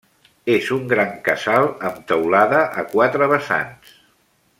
És un gran casal amb teulada a quatre vessants.